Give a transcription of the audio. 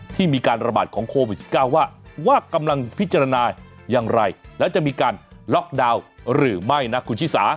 ที่มีการระบาดของโควิด๑๙ว่ากำลังพิจารณาอย่างไรและจะมีการล็อกดาวน์หรือไม่นะคุณชิสา